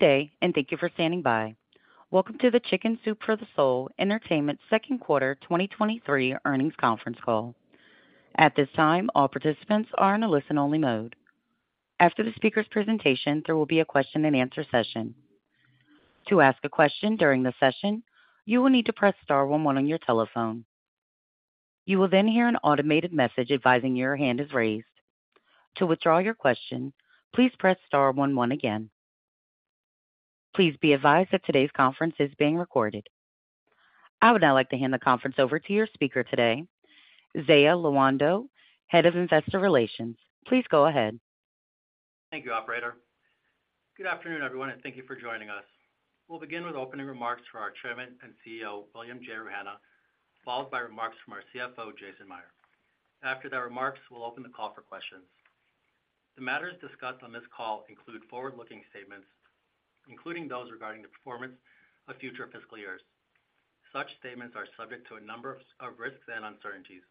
Good day. Thank you for standing by. Welcome to the Chicken Soup for the Soul Entertainment Second Quarter 2023 Earnings Conference Call. At this time, all participants are in a listen-only mode. After the speaker's presentation, there will be a question-and-answer session. To ask a question during the session, you will need to press star one one on your telephone. You will then hear an automated message advising your hand is raised. To withdraw your question, please press star one one again. Please be advised that today's conference is being recorded. I would now like to hand the conference over to your speaker today, Zaia Lawandow, Head of Investor Relations. Please go ahead. Thank you, operator. Good afternoon, everyone, and thank you for joining us. We'll begin with opening remarks for our Chairman and CEO, William J. Rouhana, followed by remarks from our CFO, Jason Meier. After the remarks, we'll open the call for questions. The matters discussed on this call include forward-looking statements, including those regarding the performance of future fiscal years. Such statements are subject to a number of risks and uncertainties.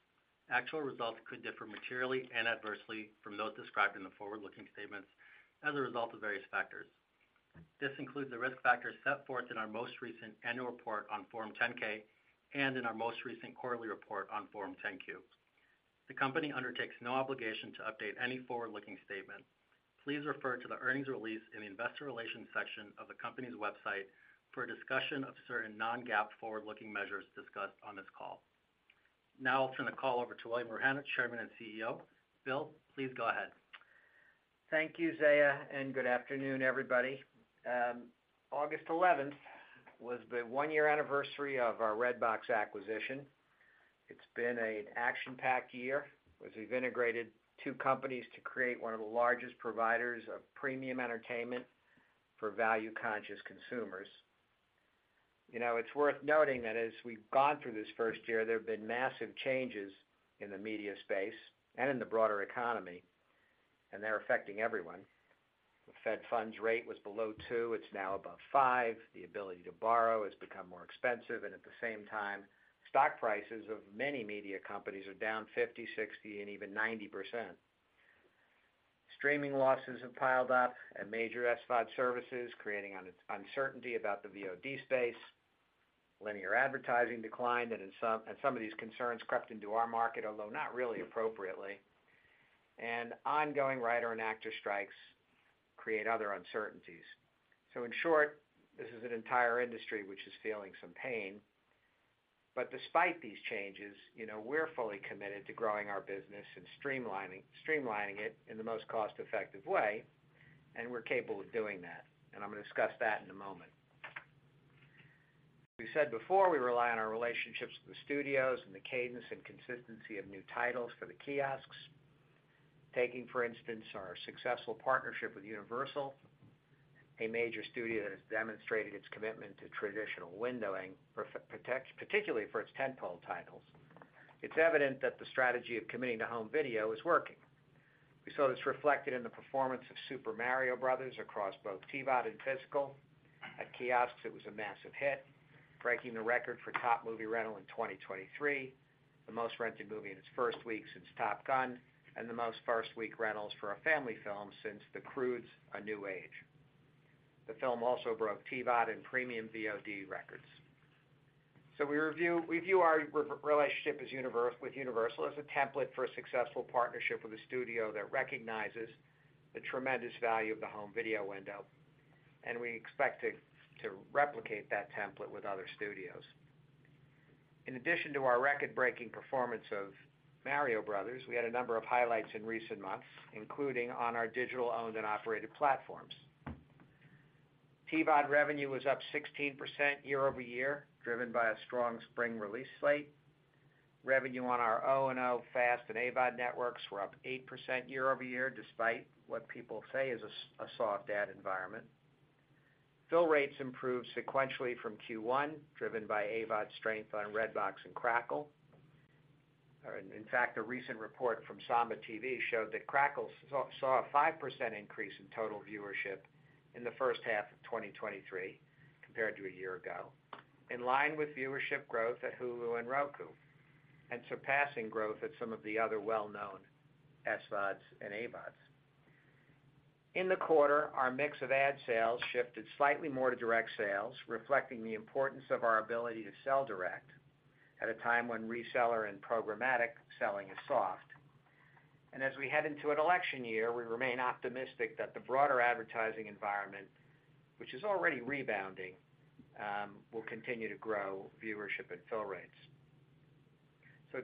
Actual results could differ materially and adversely from those described in the forward-looking statements as a result of various factors. This includes the risk factors set forth in our most recent annual report on Form 10-K and in our most recent quarterly report on Form 10-Q. The company undertakes no obligation to update any forward-looking statement. Please refer to the earnings release in the investor relations section of the company's website for a discussion of certain non-GAAP forward-looking measures discussed on this call. Now I'll turn the call over to William Rouhana, Chairman and CEO. Bill, please go ahead. Thank you, Zaia, good afternoon, everybody. August 11th was the one-year anniversary of our Redbox acquisition. It's been an action-packed year, as we've integrated two companies to create one of the largest providers of premium entertainment for value-conscious consumers. You know, it's worth noting that as we've gone through this first year, there have been massive changes in the media space and in the broader economy, they're affecting everyone. The Fed funds rate was below two; it's now above five. The ability to borrow has become more expensive, at the same time, stock prices of many media companies are down 50%, 60%, and even 90%. Streaming losses have piled up at major SVOD services, creating uncertainty about the VOD space. Linear advertising declined, some of these concerns crept into our market, although not really appropriately. Ongoing writer and actor strikes create other uncertainties. In short, this is an entire industry which is feeling some pain. Despite these changes, you know, we're fully committed to growing our business and streamlining, streamlining it in the most cost-effective way, and we're capable of doing that. I'm going to discuss that in a moment. We said before, we rely on our relationships with the studios and the cadence and consistency of new titles for the kiosks. Taking, for instance, our successful partnership with Universal, a major studio that has demonstrated its commitment to traditional windowing, particularly for its tentpole titles. It's evident that the strategy of committing to home video is working. We saw this reflected in the performance of Super Mario Brothers across both TVOD and physical. At kiosks, it was a massive hit, breaking the record for top movie rental in 2023, the most rented movie in its first week since Top Gun, and the most first-week rentals for a family film since The Croods: A New Age. The film also broke TVOD and premium VOD records. We view our relationship with Universal as a template for a successful partnership with a studio that recognizes the tremendous value of the home video window, and we expect to replicate that template with other studios. In addition to our record-breaking performance of Mario Brothers, we had a number of highlights in recent months, including on our digital owned and operated platforms. TVOD revenue was up 16% year-over-year, driven by a strong spring release slate. Revenue on our O&O, FAST and AVOD networks were up 8% year-over-year, despite what people say is a soft ad environment. Fill rates improved sequentially from Q1, driven by AVOD's strength on Redbox and Crackle. In fact, a recent report from Samba TV showed that Crackle saw a 5% increase in total viewership in the first half of 2023 compared to a year ago, in line with viewership growth at Hulu and Roku, and surpassing growth at some of the other well-known SVODs and AVODs. In the quarter, our mix of ad sales shifted slightly more to direct sales, reflecting the importance of our ability to sell direct at a time when reseller and programmatic selling is soft. As we head into an election year, we remain optimistic that the broader advertising environment, which is already rebounding, will continue to grow viewership and fill rates.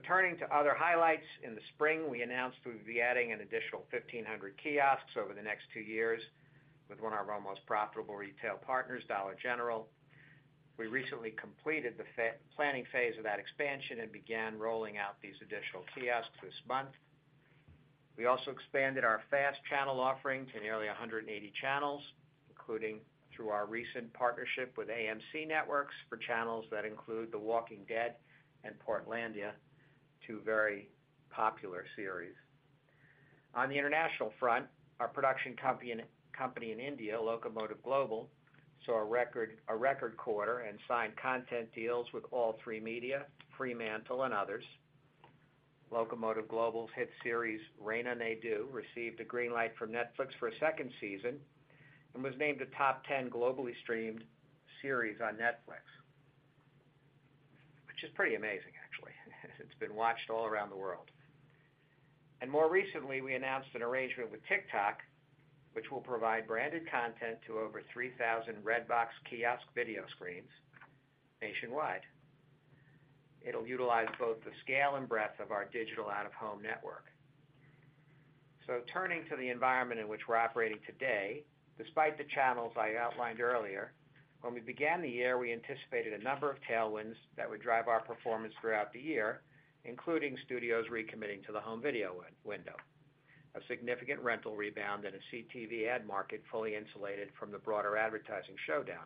Turning to other highlights. In the spring, we announced we would be adding an additional 1,500 kiosks over the next two years with one of our most profitable retail partners, Dollar General. We recently completed the planning phase of that expansion and began rolling out these additional kiosks this month. We also expanded our FAST channel offerings to nearly 180 channels, including through our recent partnership with AMC Networks for channels that include The Walking Dead and Portlandia, two very popular series. On the international front, our production company in India, Locomotive Global, saw a record quarter and signed content deals with All3Media, Fremantle and others. Locomotive Global's hit series, Rana Naidu, received a green light from Netflix for a second season and was named a top 10 globally streamed series on Netflix, which is pretty amazing, actually. It's been watched all around the world. More recently, we announced an arrangement with TikTok, which will provide branded content to over 3,000 Redbox kiosk video screens nationwide. It'll utilize both the scale and breadth of our digital out-of-home network. Turning to the environment in which we're operating today, despite the channels I outlined earlier, when we began the year, we anticipated a number of tailwinds that would drive our performance throughout the year, including studios recommitting to the home video window, a significant rental rebound in a CTV ad market, fully insulated from the broader advertising showdown.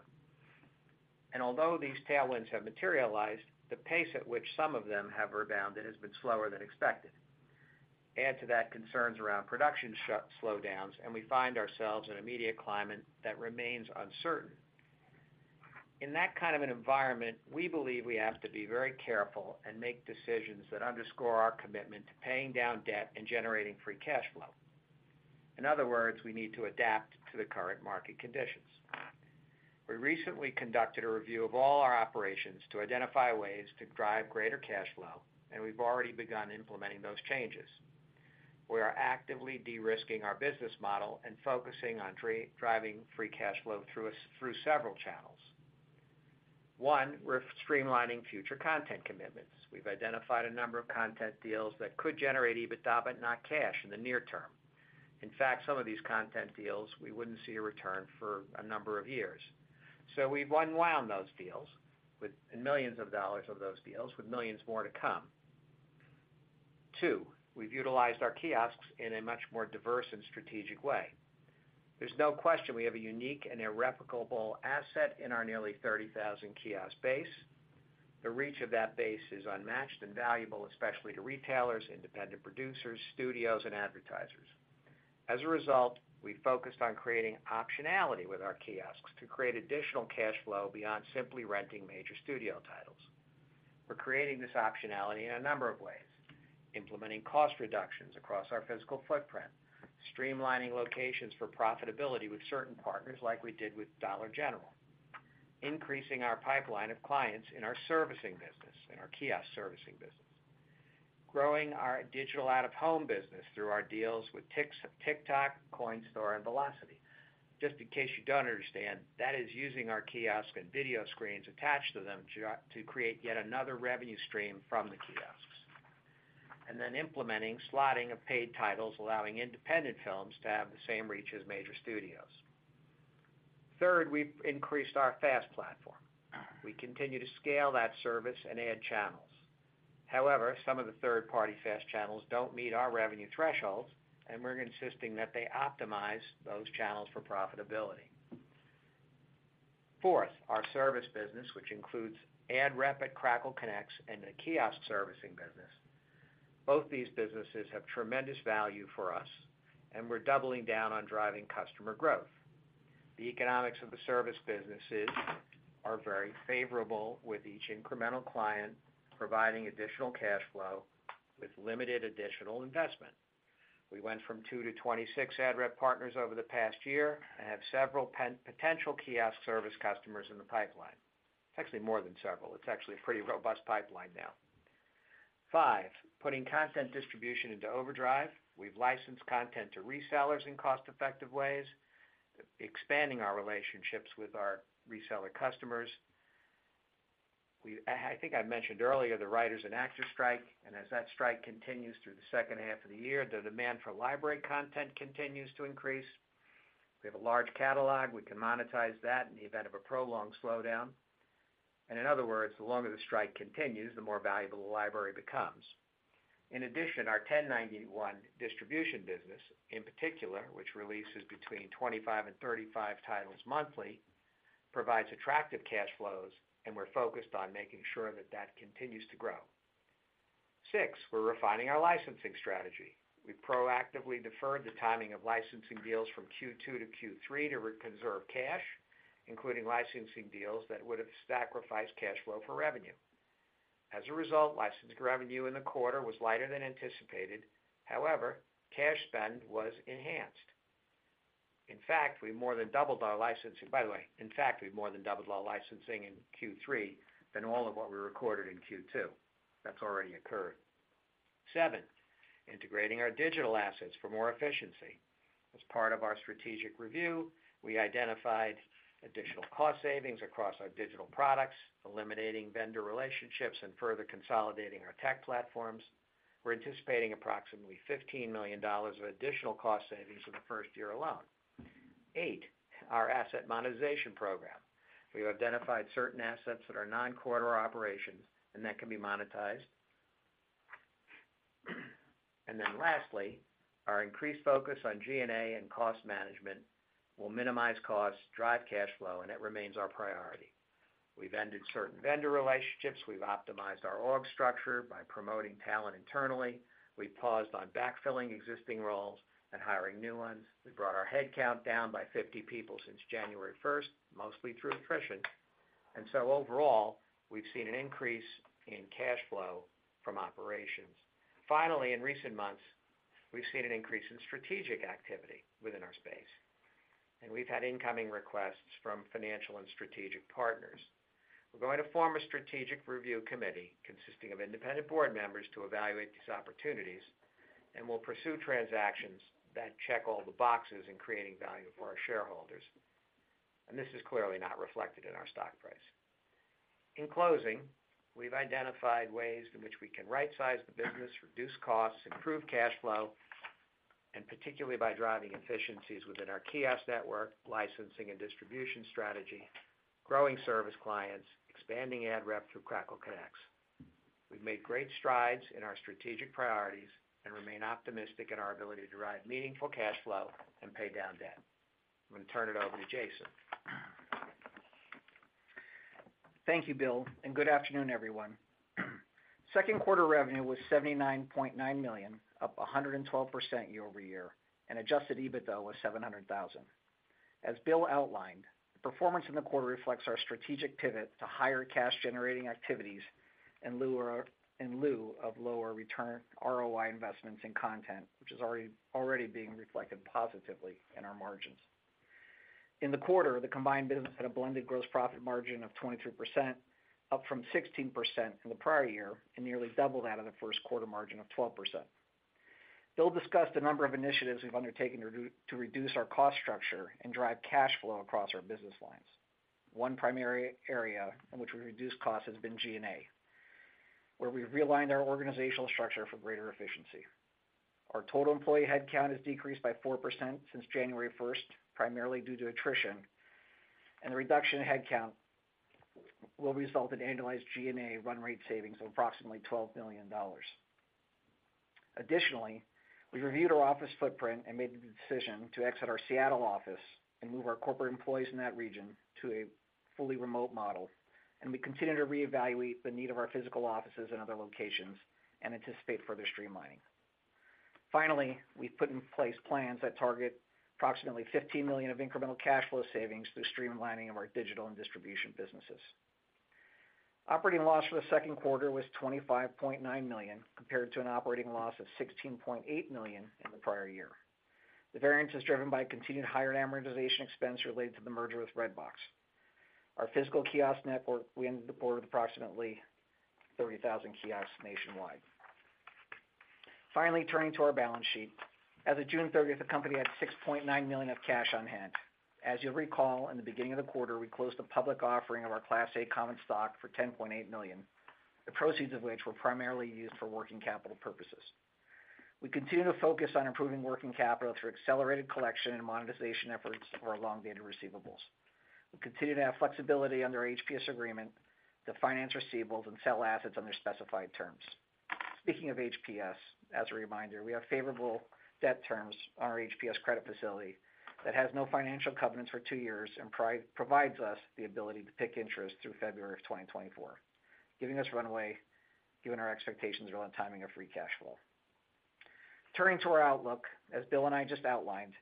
Although these tailwinds have materialized, the pace at which some of them have rebounded has been slower than expected. Add to that, concerns around production slowdowns, and we find ourselves in a media climate that remains uncertain. In that kind of an environment, we believe we have to be very careful and make decisions that underscore our commitment to paying down debt and generating free cash flow. In other words, we need to adapt to the current market conditions. We recently conducted a review of all our operations to identify ways to drive greater cash flow, and we've already begun implementing those changes. We are actively de-risking our business model and focusing on driving free cash flow through several channels. One, we're streamlining future content commitments. We've identified a number of content deals that could generate EBITDA, but not cash in the near term. In fact, some of these content deals, we wouldn't see a return for a number of years. We've unwound those deals with millions of dollars of those deals, with millions more to come. Two, we've utilized our kiosks in a much more diverse and strategic way. There's no question we have a unique and irreplicable asset in our nearly 30,000 kiosk base. The reach of that base is unmatched and valuable, especially to retailers, independent producers, studios, and advertisers. As a result, we focused on creating optionality with our kiosks to create additional cash flow beyond simply renting major studio titles. We're creating this optionality in a number of ways, implementing cost reductions across our physical footprint, streamlining locations for profitability with certain partners, like we did with Dollar General, increasing our pipeline of clients in our servicing business, in our kiosk servicing business, growing our digital out-of-home business through our deals with TikTok, Coinstar, and Velocity. Just in case you don't understand, that is using our kiosk and video screens attached to them to create yet another revenue stream from the kiosks, and then implementing slotting of paid titles, allowing independent films to have the same reach as major studios. Third, we've increased our FAST platform. We continue to scale that service and add channels. However, some of the third-party FAST channels don't meet our revenue thresholds, and we're insisting that they optimize those channels for profitability. Fourth, our service business, which includes ad rep at Crackle Connex and the kiosk servicing business. Both these businesses have tremendous value for us, and we're doubling down on driving customer growth. The economics of the service businesses are very favorable, with each incremental client providing additional cash flow with limited additional investment. We went from two to 26 ad rep partners over the past year and have several potential kiosk service customers in the pipeline. It's actually more than several. It's actually a pretty robust pipeline now. Five, putting content distribution into overdrive. We've licensed content to resellers in cost-effective ways, expanding our relationships with our reseller customers. I think I mentioned earlier, the writers and actors strike, and as that strike continues through the second half of the year, the demand for library content continues to increase. We have a large catalog. We can monetize that in the event of a prolonged slowdown. In other words, the longer the strike continues, the more valuable the library becomes. In addition, our 1091 Pictures distribution business, in particular, which releases between 25 and 35 titles monthly, provides attractive cash flows, and we're focused on making sure that that continues to grow. Six, we're refining our licensing strategy. We proactively deferred the timing of licensing deals from Q2 to Q3 to conserve cash, including licensing deals that would have sacrificed cash flow for revenue. As a result, licensed revenue in the quarter was lighter than anticipated. However, cash spend was enhanced. By the way, in fact, we more than doubled our licensing in Q3 than all of what we recorded in Q2. That's already occurred. 7, integrating our digital assets for more efficiency. As part of our strategic review, we identified additional cost savings across our digital products, eliminating vendor relationships, and further consolidating our tech platforms. We're anticipating approximately $15 million of additional cost savings in the first year alone. Eight, our asset monetization program. We have identified certain assets that are non-quarter operations and that can be monetized. Lastly, our increased focus on G&A and cost management will minimize costs, drive cash flow, and it remains our priority. We've ended certain vendor relationships, we've optimized our org structure by promoting talent internally, we've paused on backfilling existing roles and hiring new ones. We've brought our headcount down by 50 people since January 1st, mostly through attrition. Overall, we've seen an increase in cash flow from operations. Finally, in recent months, we've seen an increase in strategic activity within our space, and we've had incoming requests from financial and strategic partners. We're going to form a strategic review committee consisting of independent board members to evaluate these opportunities. We'll pursue transactions that check all the boxes in creating value for our shareholders. This is clearly not reflected in our stock price. In closing, we've identified ways in which we can right-size the business, reduce costs, improve cash flow, particularly by driving efficiencies within our kiosk network, licensing and distribution strategy, growing service clients, expanding ad rep through Crackle Connex. We've made great strides in our strategic priorities and remain optimistic in our ability to drive meaningful cash flow and pay down debt. I'm going to turn it over to Jason. Thank you, Bill. Good afternoon, everyone. Second quarter revenue was $79.9 million, up 112% year-over-year. Adjusted EBITDA was $700,000. As Bill outlined, the performance in the quarter reflects our strategic pivot to higher cash-generating activities in lieu of lower return ROI investments in content, which is already being reflected positively in our margins. In the quarter, the combined business had a blended gross profit margin of 23%, up from 16% in the prior year, nearly double that of the first quarter margin of 12%. Bill discussed a number of initiatives we've undertaken to reduce our cost structure and drive cash flow across our business lines. One primary area in which we've reduced costs has been G&A, where we've realigned our organizational structure for greater efficiency. Our total employee headcount has decreased by 4% since January 1st, primarily due to attrition, and the reduction in headcount will result in annualized G&A run rate savings of approximately $12 billion. Additionally, we reviewed our office footprint and made the decision to exit our Seattle office and move our corporate employees in that region to a fully remote model, and we continue to reevaluate the need of our physical offices in other locations and anticipate further streamlining. Finally, we've put in place plans that target approximately $15 million of incremental cash flow savings through streamlining of our digital and distribution businesses. Operating loss for the second quarter was $25.9 million, compared to an operating loss of $16.8 million in the prior year. The variance is driven by continued higher amortization expense related to the merger with Redbox. Our physical kiosk network, we ended the quarter with approximately 30,000 kiosks nationwide. Finally, turning to our balance sheet. As of June 30th, the company had $6.9 million of cash on hand. As you'll recall, in the beginning of the quarter, we closed the public offering of our Class A common stock for $10.8 million, the proceeds of which were primarily used for working capital purposes. We continue to focus on improving working capital through accelerated collection and monetization efforts for our long-dated receivables. We continue to have flexibility under our HPS agreement to finance receivables and sell assets under specified terms. Speaking of HPS, as a reminder, we have favorable debt terms on our HPS credit facility that has no financial covenants for two years and provides us the ability to pay interest through February of 2024, giving us runway, given our expectations around timing of free cash flow. Turning to our outlook, as Bill and I just outlined,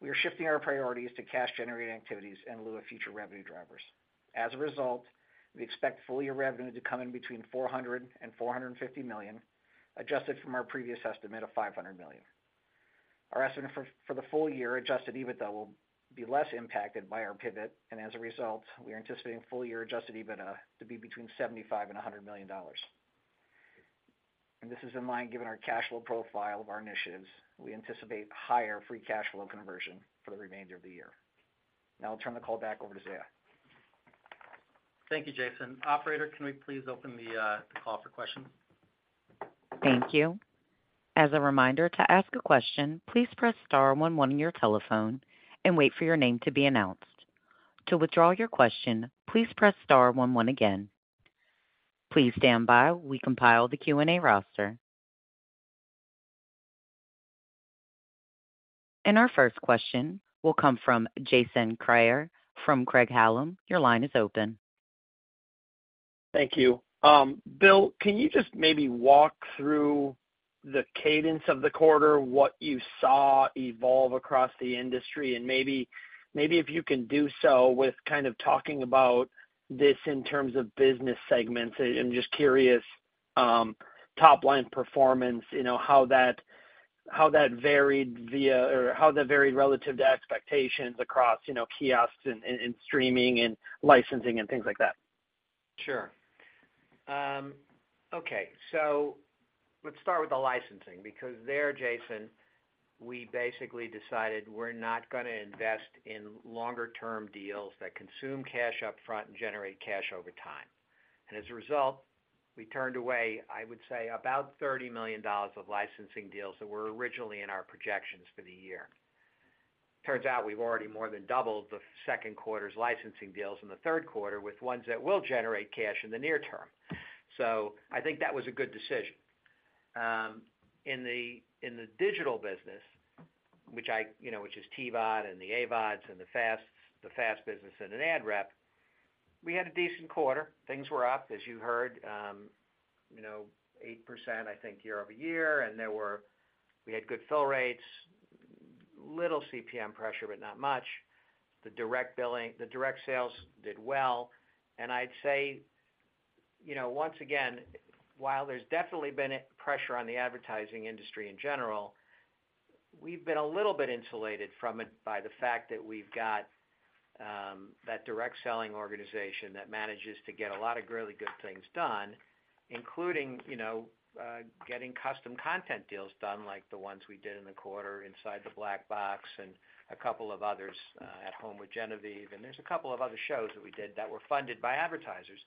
we are shifting our priorities to cash-generating activities in lieu of future revenue drivers. As a result, we expect full-year revenue to come in between $400 million and $450 million, adjusted from our previous estimate of $500 million. Our estimate for the full year adjusted EBITDA will be less impacted by our pivot, and as a result, we are anticipating full-year adjusted EBITDA to be between $75 million and $100 million. This is in line, given our cash flow profile of our initiatives, we anticipate higher free cash flow conversion for the remainder of the year. Now I'll turn the call back over to Zaia. Thank you, Jason. Operator, can we please open the call for questions? Thank you. As a reminder, to ask a question, please press star one one on your telephone and wait for your name to be announced. To withdraw your question, please press star one one again. Please stand by while we compile the Q&A roster. Our first question will come from Jason Kreyer from Craig-Hallum. Your line is open. Thank you. Bill, can you just maybe walk through the cadence of the quarter, what you saw evolve across the industry, and maybe, maybe if you can do so with kind of talking about this in terms of business segments? I'm just curious, top-line performance, you know, how that, how that varied relative to expectations across, you know, kiosks and, and streaming and licensing and things like that. Sure. Okay, let's start with the licensing, because there, Jason, we basically decided we're not gonna invest in longer-term deals that consume cash upfront and generate cash over time. As a result, we turned away, I would say, about $30 million of licensing deals that were originally in our projections for the year. Turns out we've already more than doubled the second quarter's licensing deals in the third quarter with ones that will generate cash in the near term. I think that was a good decision. In the, in the digital business, which you know, which is TVOD and the AVODs and the FAST, the FAST business and in ad rep, we had a decent quarter. Things were up, as you heard, you know, 8%, I think, year-over-year. We had good fill rates. little CPM pressure, but not much. The direct billing, the direct sales did well. I'd say, you know, once again, while there's definitely been a pressure on the advertising industry in general, we've been a little bit insulated from it by the fact that we've got, that direct selling organization that manages to get a lot of really good things done, including, you know, getting custom content deals done, like the ones we did in the quarter, Inside the Black Box and a couple of others, At Home with Genevieve, and there's a couple of other shows that we did that were funded by advertisers.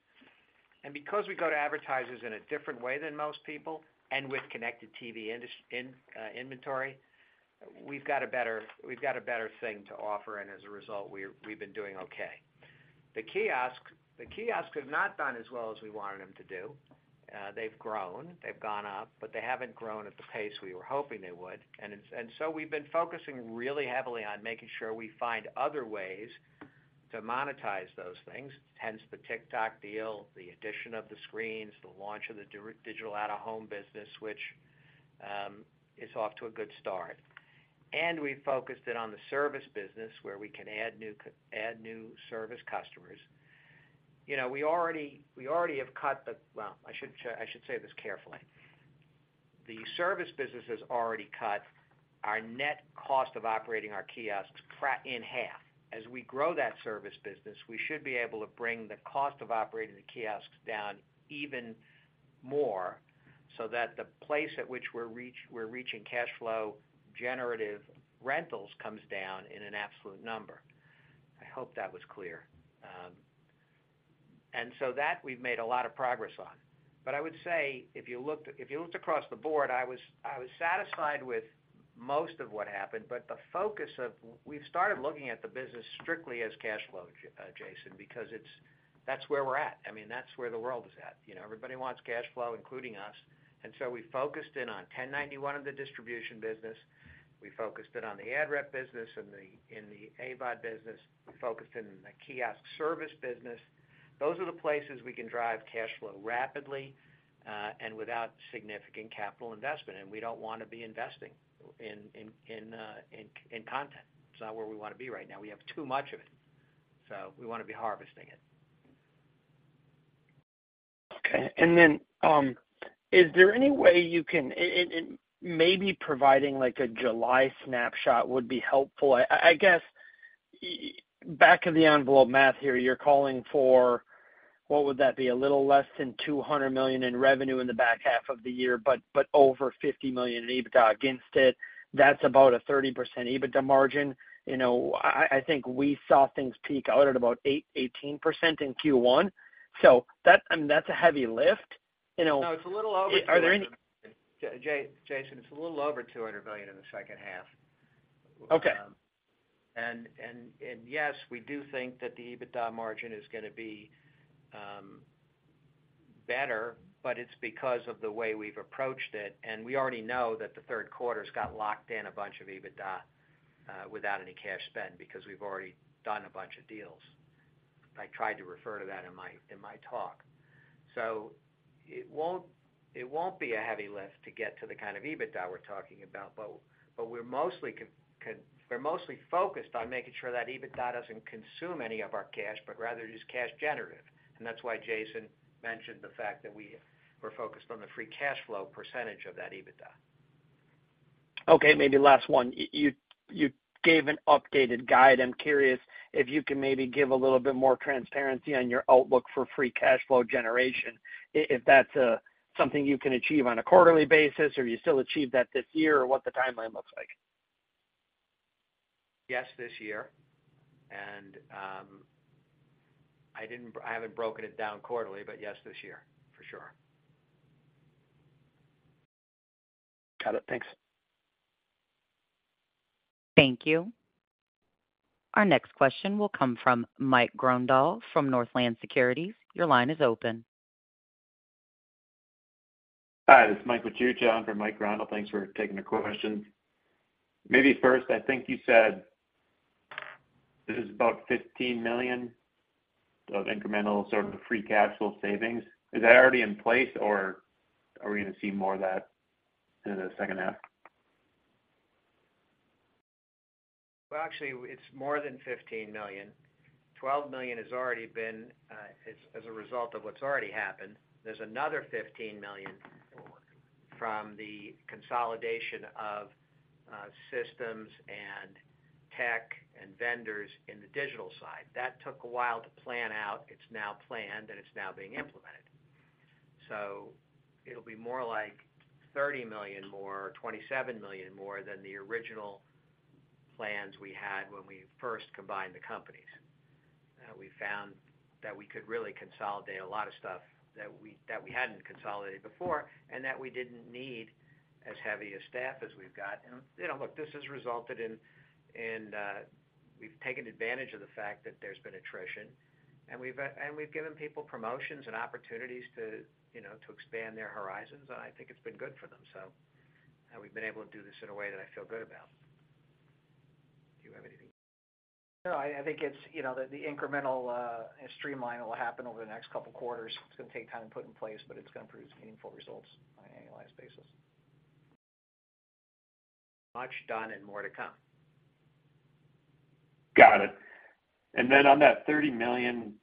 Because we go to advertisers in a different way than most people, and with connected TV indus- in inventory, we've got a better, we've got a better thing to offer, and as a result, we've been doing okay. The kiosk, the kiosks have not done as well as we wanted them to do. They've grown, they've gone up, but they haven't grown at the pace we were hoping they would. So we've been focusing really heavily on making sure we find other ways to monetize those things, hence the TikTok deal, the addition of the screens, the launch of the digital out-of-home business, which is off to a good start. We focused it on the service business, where we can add new add new service customers. You know, we already, we already have. Well, I should say this carefully. The service business has already cut our net cost of operating our kiosks in half. As we grow that service business, we should be able to bring the cost of operating the kiosks down even more so that the place at which we're reaching cash flow, generative rentals comes down in an absolute number. I hope that was clear. So that we've made a lot of progress on. I would say, if you looked, if you looked across the board, I was, I was satisfied with most of what happened, but the focus of we've started looking at the business strictly as cash flow, Jason, because it's that's where we're at. I mean, that's where the world is at. You know, everybody wants cash flow, including us, so we focused in on 1091 of the distribution business. We focused it on the ad rep business and the, in the AVOD business. We focused in the kiosk service business. Those are the places we can drive cash flow rapidly, and without significant capital investment. We don't want to be investing in content. It's not where we want to be right now. We have too much of it, so we want to be harvesting it. Okay, then, is there any way you can... and maybe providing, like, a July snapshot would be helpful? I, I guess, back of the envelope math here, you're calling for, what would that be? A little less than $200 million in revenue in the back half of the year, but over $50 million in EBITDA against it. That's about a 30% EBITDA margin. You know, I, I think we saw things peak out at about 18% in Q1. That, that's a heavy lift, you know. No, it's a little over 200- Are there any- Jason, it's a little over $200 million in the second half. Okay. Yes, we do think that the EBITDA margin is gonna be better, but it's because of the way we've approached it, and we already know that the third quarter's got locked in a bunch of EBITDA without any cash spend, because we've already done a bunch of deals. I tried to refer to that in my, in my talk. It won't, it won't be a heavy lift to get to the kind of EBITDA we're talking about, but we're mostly focused on making sure that EBITDA doesn't consume any of our cash, but rather is cash generative. That's why Jason mentioned the fact that we were focused on the free cash flow percentage of that EBITDA. Okay, maybe last one. You, you gave an updated guide. I'm curious if you can maybe give a little bit more transparency on your outlook for free cash flow generation, if that's something you can achieve on a quarterly basis, or you still achieve that this year, or what the timeline looks like? Yes, this year, and I haven't broken it down quarterly, but yes, this year, for sure. Got it. Thanks. Thank you. Our next question will come from Mike Grondahl, from Northland Securities. Your line is open. Hi, this is [Mike Kuhrt] on for Mike Grondahl. Thanks for taking the questions. Maybe first, I think you said this is about $15 million of incremental sort of free cash flow savings. Is that already in place, or are we going to see more of that in the second half? Well, actually, it's more than $15 million. $12 million has already been, as, as a result of what's already happened. There's another $15 million from the consolidation of systems and tech and vendors in the digital side. That took a while to plan out. It's now planned, and it's now being implemented. It'll be more like $30 million more, or $27 million more than the original plans we had when we first combined the companies. We found that we could really consolidate a lot of stuff that we, that we hadn't consolidated before, and that we didn't need as heavy a staff as we've got. You know, look, this has resulted in, we've taken advantage of the fact that there's been attrition, and we've given people promotions and opportunities to, you know, to expand their horizons, and I think it's been good for them. We've been able to do this in a way that I feel good about. Do you have anything to add? No, I, I think it's, you know, the, the incremental streamline will happen over the next couple quarters. It's gonna take time to put in place, but it's gonna produce meaningful results on an annualized basis. Much done and more to come. Got it. Then on that $30 million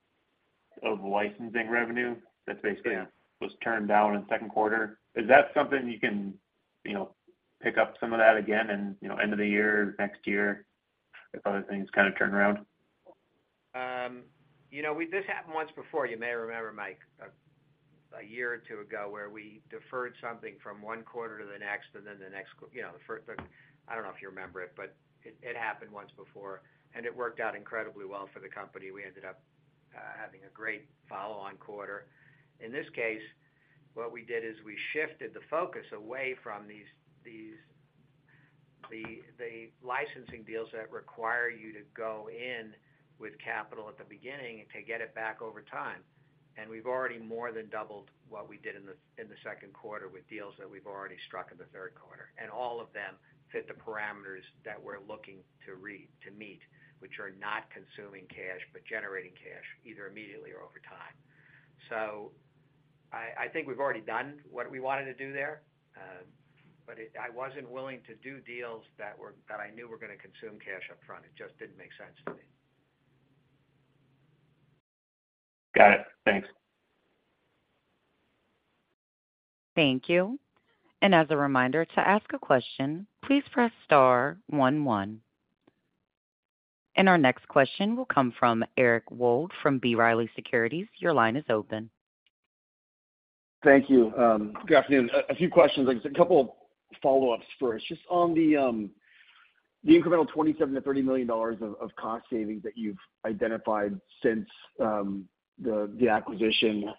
of licensing revenue that basically- Yeah - was turned down in the second quarter, is that something you can, you know, pick up some of that again in, you know, end of the year, next year, if other things kind of turn around? You know, this happened once before, you may remember, Mike, a year or two ago, where we deferred something from one quarter to the next, and then the next, you know, the first third. I don't know if you remember it, but it, it happened once before, and it worked out incredibly well for the company. We ended up having a great follow-on quarter. In this case, what we did is we shifted the focus away from these the licensing deals that require you to go in with capital at the beginning and to get it back over time. We've already more than doubled what we did in the second quarter with deals that we've already struck in the third quarter. All of them fit the parameters that we're looking to meet, which are not consuming cash, but generating cash, either immediately or over time. I, I think we've already done what we wanted to do there, but I wasn't willing to do deals that I knew were gonna consume cash upfront. It just didn't make sense to me. Got it. Thanks. Thank you. As a reminder, to ask a question, please press star one, one. Our next question will come from Eric Wold from B. Riley Securities. Your line is open. Thank you. Good afternoon. A few questions, a couple of follow-ups first. Just on the incremental $27 million-$30 million of cost savings that you've identified since the acquisition,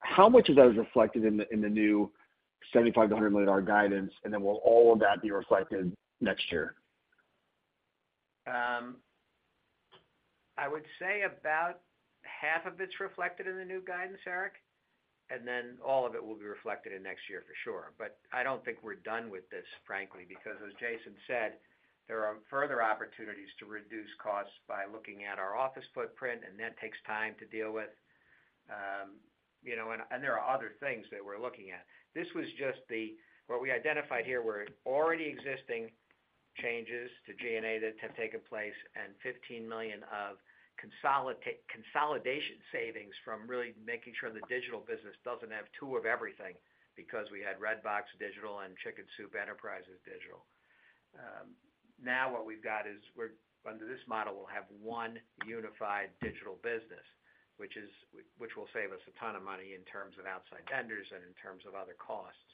how much of that is reflected in the new $75 million-$100 million guidance? Will all of that be reflected next year? I would say about half of it's reflected in the new guidance, Eric. All of it will be reflected in next year for sure. I don't think we're done with this, frankly, because as Jason said, there are further opportunities to reduce costs by looking at our office footprint, and that takes time to deal with. You know, there are other things that we're looking at. This was just what we identified here were already existing changes to G&A that have taken place, and $15 million of consolidation savings from really making sure the digital business doesn't have two of everything, because we had Redbox Digital and Chicken Soup Enterprises Digital. Now what we've got is under this model, we'll have one unified digital business, which will save us a ton of money in terms of outside vendors and in terms of other costs.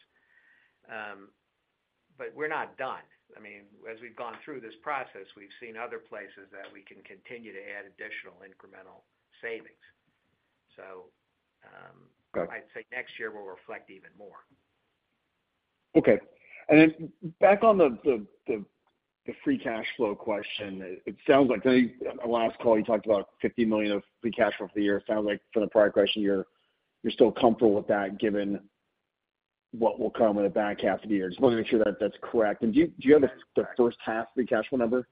We're not done. I mean, as we've gone through this process, we've seen other places that we can continue to add additional incremental savings. Got it. I'd say next year will reflect even more. Okay. Back on the free cash flow question. It sounds like, I think, our last call, you talked about $50 million of free cash flow for the year. It sounds like from the prior question, you're still comfortable with that, given what will come in the back half of the year. Just want to make sure that that's correct. Do you have the first half free cash flow number?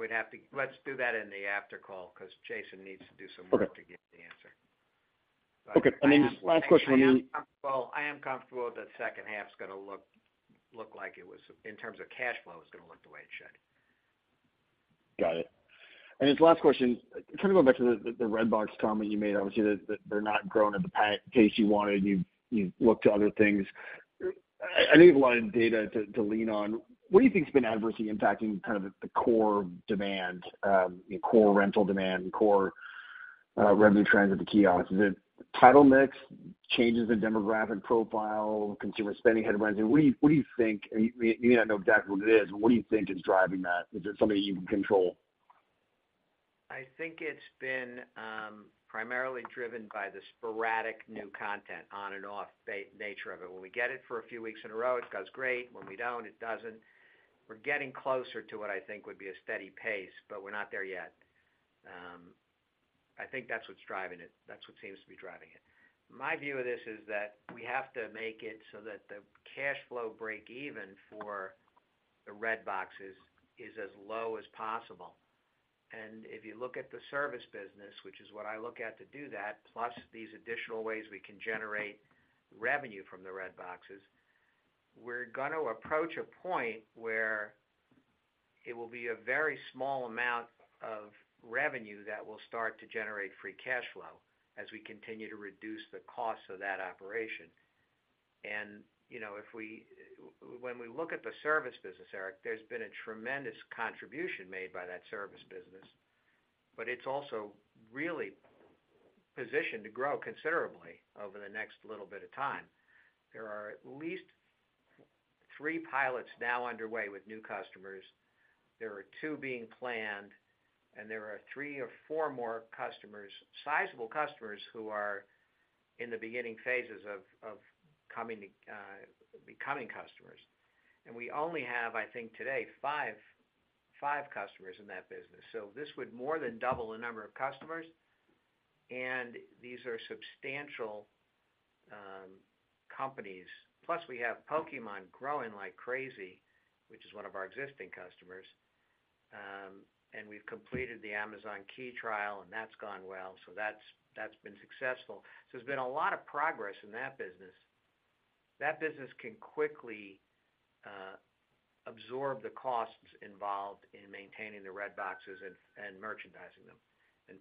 We'd have to... Let's do that in the after call, because Jason needs to do some work- Okay - to get the answer. Okay. then last question? I am comfortable, I am comfortable that the second half's gonna look, look like it was, in terms of cash flow, it's gonna look the way it should. Got it. Then the last question, kind of going back to the, the Redbox comment you made. Obviously, they're not growing at the pace you wanted, and you, you've looked to other things. I, I think you have a lot of data to, to lean on. What do you think has been adversely impacting kind of the core demand, the core rental demand, core revenue trends at the kiosks? Is it title mix, changes in demographic profile, consumer spending headwinds? I mean, what do you, what do you think, and you, you may not know exactly what it is, but what do you think is driving that? Is it something you can control? I think it's been primarily driven by the sporadic new content, on and off nature of it. When we get it for a few weeks in a row, it does great. When we don't, it doesn't. We're getting closer to what I think would be a steady pace, but we're not there yet. I think that's what's driving it. That's what seems to be driving it. My view of this is that we have to make it so that the cash flow break even for the Redbox boxes is as low as possible. If you look at the service business, which is what I look at to do that, plus these additional ways we can generate revenue from the Redbox, we're gonna approach a point where it will be a very small amount of revenue that will start to generate free cash flow as we continue to reduce the costs of that operation. You know, if we when we look at the service business, Eric, there's been a tremendous contribution made by that service business, but it's also really positioned to grow considerably over the next little bit of time. There are at least three pilots now underway with new customers. There are two being planned, and there are 3 or 4 more customers, sizable customers, who are in the beginning phases of, of coming, becoming customers. We only have today, five customers in that business. This would more than double the number of customers. These are substantial companies. We have Pokémon growing like crazy, which is one of our existing customers. We've completed the Amazon Key trial, and that's gone well, so that's been successful. There's been a lot of progress in that business. That business can quickly absorb the costs involved in maintaining the red boxes and merchandising them.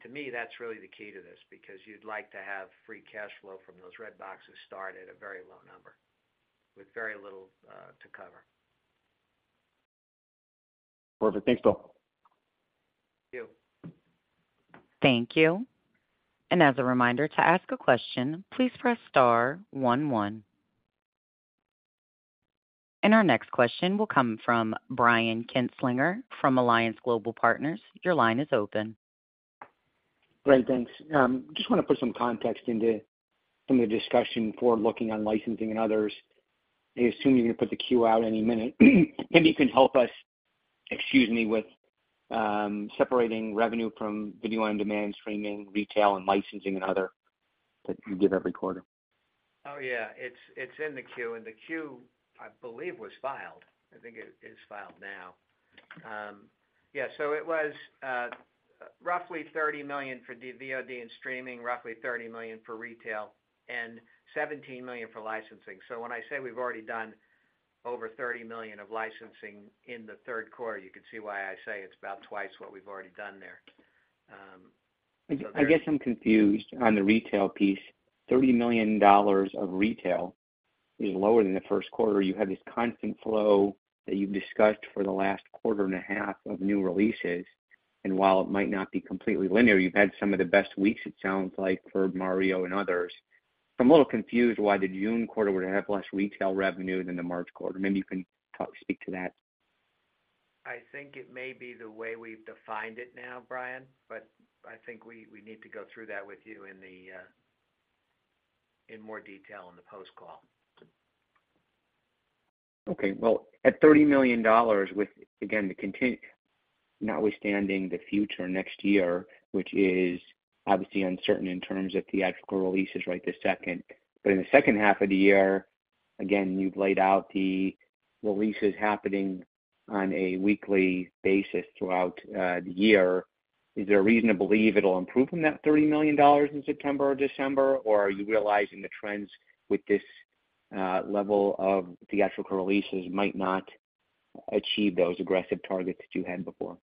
To me, that's really the key to this, because you'd like to have free cash flow from those red boxes start at a very low number with very little to cover. Perfect. Thanks, Bill. Thank you. Thank you. As a reminder, to ask a question, please press star one, one. Our next question will come from Brian Kinstlinger from Alliance Global Partners. Your line is open. Great, thanks. Just want to put some context into some of the discussion for looking on licensing and others. I assume you're going to put the Q out any minute. Maybe you can help us, excuse me, with separating revenue from video on demand, streaming, retail, and licensing and other that you give every quarter? Oh, yeah. It's, it's in the queue, and the queue, I believe, was filed. I think it is filed now. Yeah, it was roughly $30 million for VOD and streaming, roughly $30 million for retail, and $17 million for licensing. When I say we've already done over $30 million of licensing in Q3, you can see why I say it's about twice what we've already done there. I guess I'm confused on the retail piece. $30 million of retail is lower than the first quarter. You had this constant flow that you've discussed for the last quarter and a half of new releases, and while it might not be completely linear, you've had some of the best weeks, it sounds like, for Mario and others. I'm a little confused why the June quarter would have less retail revenue than the March quarter. Maybe you can speak to that. I think it may be the way we've defined it now, Brian, but I think we, we need to go through that with you in the, in more detail in the post-call. Okay. Well, at $30 million, with, again, notwithstanding the future next year, which is obviously uncertain in terms of theatrical releases right this second. In the second half of the year, again, you've laid out the releases happening on a weekly basis throughout the year. Is there reason to believe it'll improve from that $30 million in September or December? Or are you realizing the trends with this level of theatrical releases might not achieve those aggressive targets that you had before?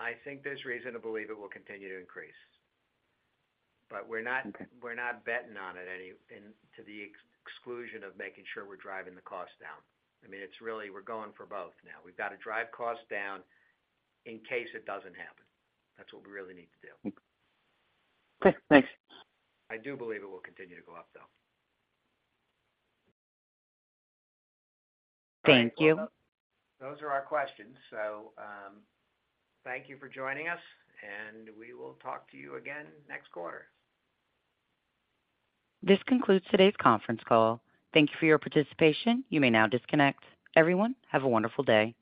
I think there's reason to believe it will continue to increase. We're not- Okay. We're not betting on it any, and to the exclusion of making sure we're driving the cost down. I mean, it's really, we're going for both now. We've got to drive costs down in case it doesn't happen. That's what we really need to do. Okay, thanks. I do believe it will continue to go up, though. Thank you. Those are our questions. Thank you for joining us, and we will talk to you again next quarter. This concludes today's conference call. Thank you for your participation. You may now disconnect. Everyone, have a wonderful day.